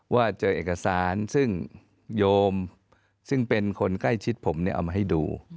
ว่าเจอเอกสารซึ่งโยมซึ่งเป็นคนใกล้ชิดผมเนี่ยเอามาให้ดู